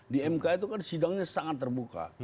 di mk itu kan sidangnya sangat terbuka